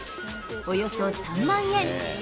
およそ３万円。